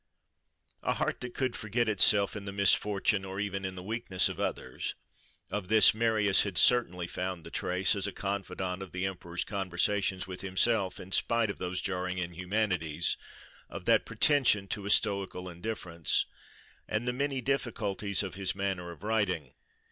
A heart that could forget itself in the misfortune, or even in the weakness of others:—of this Marius had certainly found the trace, as a confidant of the emperor's conversations with himself, in spite of those jarring inhumanities, of that pretension to a stoical indifference, and the many difficulties of his manner of writing.